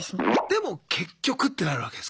でも結局ってなるわけですか。